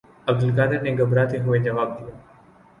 عبدالقادر نے گھبراتے ہوئے جواب دیا